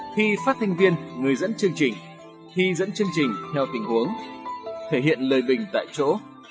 khi phát thanh viên người dẫn chương trình thi dẫn chương trình theo tình huống thể hiện lời bình tại chỗ